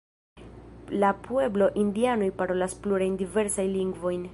La pueblo-indianoj parolas plurajn diversajn lingvojn.